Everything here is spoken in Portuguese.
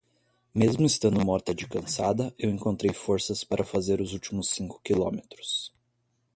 Mesmo estando morta de cansada eu encontrei forças para fazer os últimos cinco quilômetros.